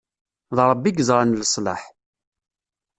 D Ṛebbi i yeẓran leṣlaḥ.